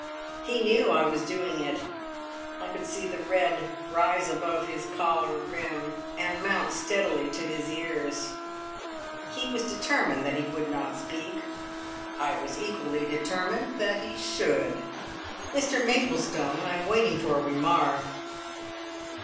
He knew I was doing it. I could see the red rise above his collar rim, and mount steadily to his ears. He was determined that he would not speak. I was equally determined that he should. "Mr Maplestone! I am waiting for a remark."